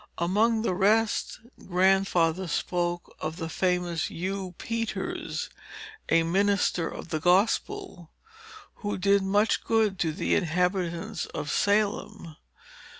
Among the rest, Grandfather spoke of the famous Hugh Peters, a minister of the gospel, who did much good to the inhabitants of Salem.